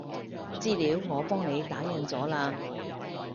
資料我幫你打印咗喇